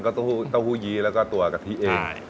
ก็เต้าหู้ยี้และกะทิเอง